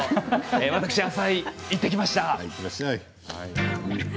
私、浅井行ってきました。